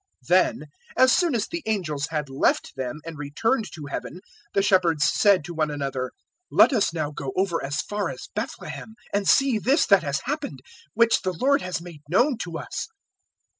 002:015 Then, as soon as the angels had left them and returned to Heaven, the shepherds said to one another, "Let us now go over as far as Bethlehem and see this that has happened, which the Lord has made known to us."